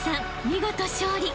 見事勝利］